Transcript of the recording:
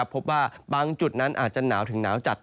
พบว่าบางจุดนั้นอาจจะหนาวถึงหนาวจัด